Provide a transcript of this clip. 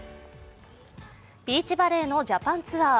ビーチバレーのジャパンツアー。